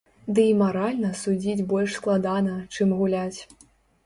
Ды і маральна судзіць больш складана, чым гуляць.